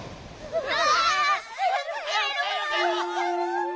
うわ！